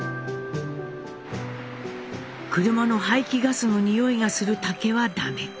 車の排気ガスのにおいがする竹はダメ。